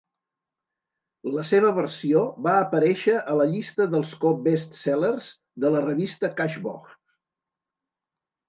La seva versió va aparèixer a la llista dels co-best-sellers de la revista Cashbox.